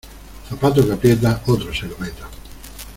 Zapato que aprieta, otro se lo meta.